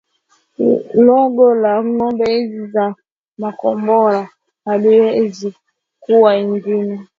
Lengo la ngome hizi za makombora haliwezi kuwa lingine